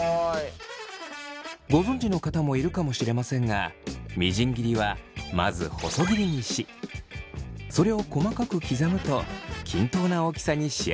ご存じの方もいるかもしれませんがみじん切りはまず細切りにしそれを細かく刻むと均等な大きさに仕上がりやすいそうです。